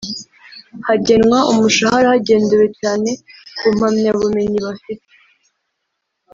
hagenwa umushahara hagendewe cyane ku mpamyabumenyi bafite